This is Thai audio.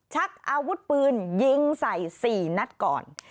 ชักอาวุธปืนยิงใส่๔นัดก่อน